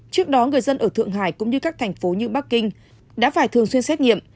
trước đó người dân ở thượng hải cũng như các thành phố như bắc kinh đã phải thường xuyên xét nghiệm